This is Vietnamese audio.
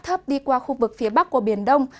thấp đi qua khu vực phía bắc của biển đông